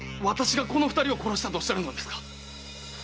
私がこの二人を殺したとおっしゃるのですか